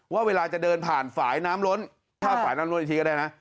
ว่าเวลาจะเดินผ่านฝ่ายน้ำล้นถ้าฝ่ายน้ำล้นอีกทีก็ได้นะ